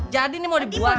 jadi nih mau dibuang